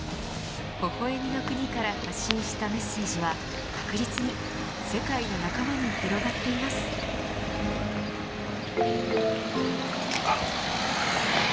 ほほ笑みの国から発信したメッセージは確実に世界の仲間に広がっています。